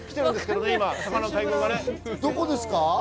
どこですか？